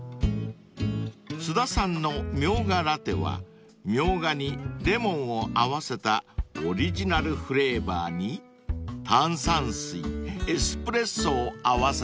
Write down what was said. ［津田さんのみょうがラテはミョウガにレモンを合わせたオリジナルフレーバーに炭酸水エスプレッソを合わせたもの］